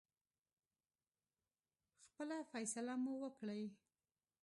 خپله فیصله مو وکړی.